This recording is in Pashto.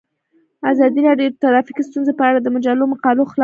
ازادي راډیو د ټرافیکي ستونزې په اړه د مجلو مقالو خلاصه کړې.